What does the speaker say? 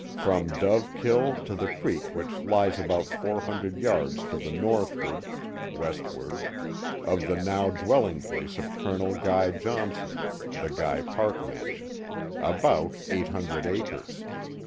from Dove Kill to the creek which lies about four hundred yards to the northward (westward) of the now dwel ling place of Colonel Guy Johnson." (The Guy Park man sion.) About eight hundred acres.